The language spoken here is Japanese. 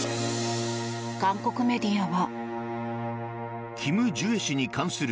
韓国メディアは。